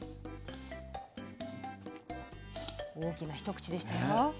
大きな一口でしたよ。